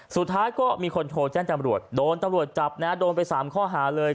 สุดท้ายก็มีคนโทรแจ้งจำรวจโดนตำรวจจับนะโดนไป๓ข้อหาเลย